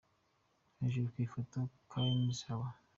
Hejuru ku ifoto : Collin Haba.